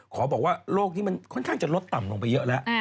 บอกว่าโลกนี้มันค่อนข้างจะลดต่ำลงไปเยอะแล้ว